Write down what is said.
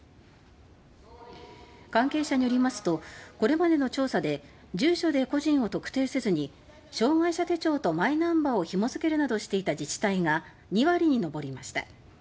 関係者によりますとこれまでの調査で住所で個人を特定せずに障害者手帳とマイナンバーを紐付けるなどしていた自治体が２割に上りました。